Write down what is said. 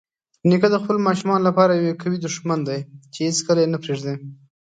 نیکه د خپلو ماشومانو لپاره یوه قوي دښمن دی چې هیڅکله یې نه پرېږدي.